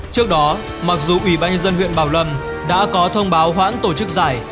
trước đó mặc dù ủy ban nhân dân huyện bảo lâm đã có thông báo hoãn tổ chức giải